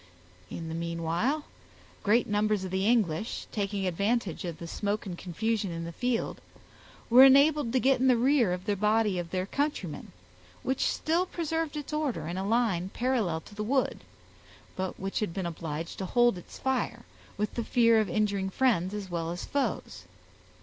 In the meanwhile, great numbers of the English, taking advantage of the smoke and confusion in the field, were enabled to get in the rear of the body of their countrymen, which still preserved its order in a line parallel to the wood, but which had been obliged to hold its fire, from the fear of injuring friends as well as foes.